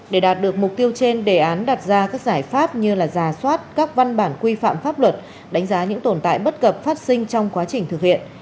để đạt được mục tiêu trên đề án đặt ra các giải pháp như là giả soát các văn bản quy phạm pháp luật đánh giá những tồn tại bất cập phát sinh trong quá trình thực hiện